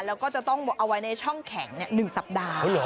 แล้วก็จะต้องเอาไว้ในช่องแข็ง๑สัปดาห์